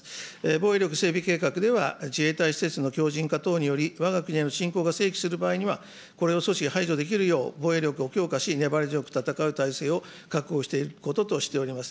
防衛力整備計画では自衛隊施設の強じん化等により、わが国への侵攻が生起する場合には、これを阻止、排除できるよう防衛力を強化し、粘り強く戦う体制を確保していることとしております。